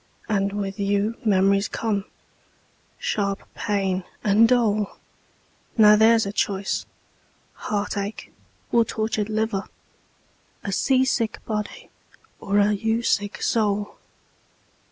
And with you memories come, sharp pain, and dole. Now there's a choice heartache or tortured liver! A sea sick body, or a you sick soul!